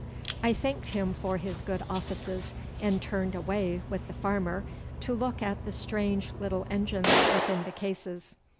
I thanked him for his good offices, and turned away with the farmer to look at the strange little engines within the cases.